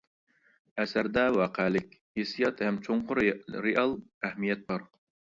ئەسەردە ۋەقەلىك، ھېسسىيات ھەم چوڭقۇر رېئال ئەھمىيەت بار.